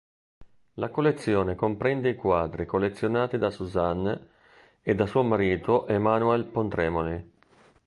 La collezione comprende i quadri collezionati da Suzanne e da suo marito Emmanuel Pontremoli.